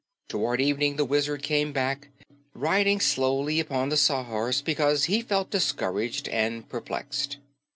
Toward evening the Wizard came back, riding slowly upon the Sawhorse because he felt discouraged and perplexed.